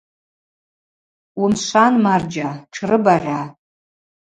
Уымшван, марджьа, тшрыбагъьа.